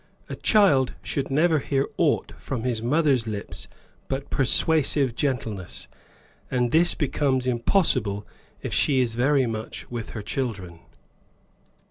A child should never hear aught from his mother's lips but persuasive gentleness; and this becomes impossible if she is very much with her children."